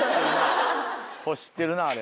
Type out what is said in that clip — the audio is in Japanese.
欲してるなあれ。